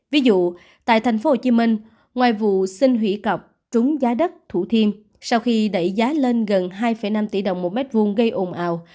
ví dụ tại thành phố hồ chí minh ngoài vụ xin hủy cọc trúng giá đất thủ thiêm sau khi đẩy giá lên gần hai năm tỷ đồng một mét vuông gây ồn ào